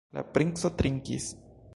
La princo trinkis.